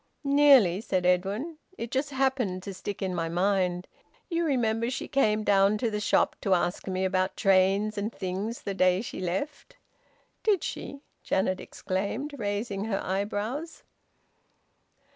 "Nearly!" said Edwin. "It just happened to stick in my mind. You remember she came down to the shop to ask me about trains and things the day she left." "Did she?" Janet exclaimed, raising her eyebrows.